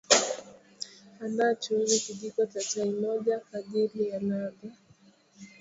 andaa Chumvi Kijiko cha chai moja kaajili ya ladha